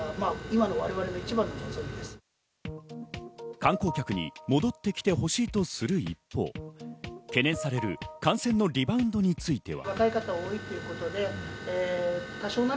観光客に戻ってきてほしいとする一方、懸念される感染のリバウンドについては。